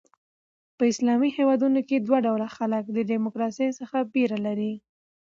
په اسلامي هیوادونو کښي دوه ډوله خلک د ډیموکراسۍ څخه بېره لري.